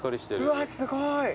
うわすごい。